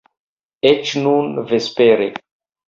Eĉ nun, vespere.